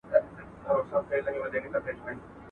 دې خپلې لومړنۍ پیسې خپل پلار ته سپارلې وې.